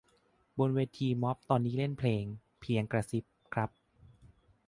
บนเวทีม็อบตอนนี้เล่นเพลง "เพียงกระซิบ" ครับ